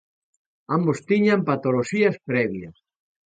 Ambos tiñan patoloxías previas.